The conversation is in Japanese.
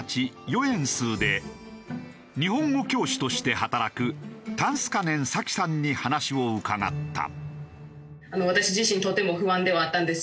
ヨエンスーで日本語教師として働くタンスカネン彩希さんに話を伺った。